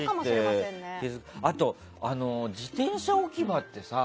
あと、自転車置き場ってさ。